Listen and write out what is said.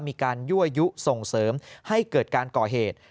มีการยั่วยุส่งเสริมให้เกิดการก่อเหตุ